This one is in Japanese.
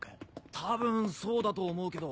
多分そうだと思うけど。